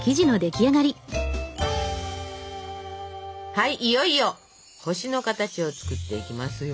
はいいよいよ星の形を作っていきますよ。